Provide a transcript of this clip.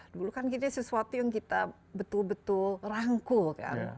dulu kan kita sesuatu yang kita betul betul rangkul kan